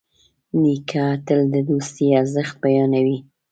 نیکه تل د دوستي ارزښت بیانوي.